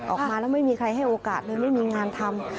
ออกมาแล้วไม่มีใครให้โอกาสเลยไม่มีงานทำ